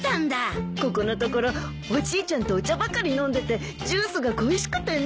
ここのところおじいちゃんとお茶ばかり飲んでてジュースが恋しくてね。